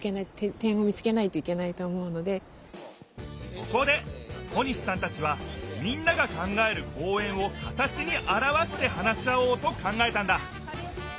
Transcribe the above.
そこで小西さんたちはみんなが考える公園を形にあらわして話し合おうと考えたんだ。